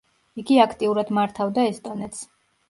იგი აქტიურად მართავდა ესტონეთს.